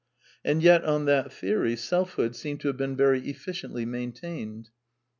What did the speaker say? And yet, on that theory, self hood seemed to have been very efficiently maintained.